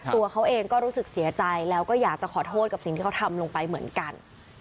ตัวเขาเองก็รู้สึกเสียใจแล้วก็อยากจะขอโทษกับสิ่งที่เขาทำลงไปเหมือนกัน